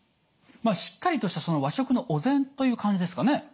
まあしっかりとした和食のお膳という感じですかね。